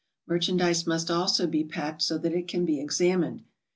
Merchandise must also be packed so that it can be examined.